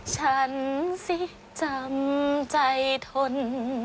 ฉันสิจำใจทน